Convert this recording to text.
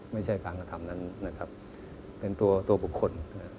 ไม่ใช่การกระทำนั้นนะครับเป็นตัวบุคคล